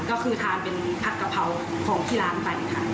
ก็คือทานเป็นผัดกะเพราของที่ร้านไปค่ะ